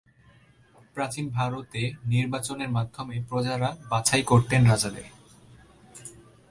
প্রাচীন ভারতে নির্বাচনের মাধ্যমে প্রজারা বাছাই করতেন রাজাদের।